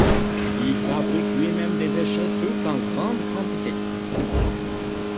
Il fabrique lui-même des échelles souples en grande quantité.